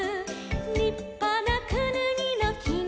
「りっぱなくぬぎのきがいっぽん」